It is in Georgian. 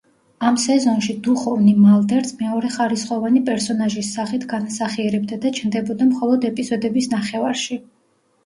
ამ სეზონში დუხოვნი მალდერს მეორეხარისხოვანი პერსონაჟის სახით განასახიერებდა და ჩნდებოდა მხოლოდ ეპიზოდების ნახევარში.